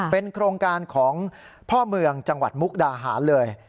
เป็นโครงการของพ่อเมืองจังหวัดมุกดาหารเลย